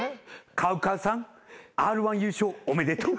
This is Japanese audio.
ＣＯＷＣＯＷさんＲ−１優勝おめでとう。